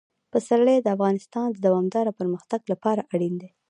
پسرلی د افغانستان د دوامداره پرمختګ لپاره اړین دي.